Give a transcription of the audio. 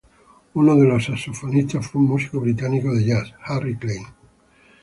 Uno de los saxofonistas fue un músico británico de jazz, Harry Klein.